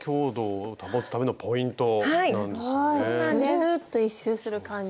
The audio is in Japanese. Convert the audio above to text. ぐるっと１周する感じで。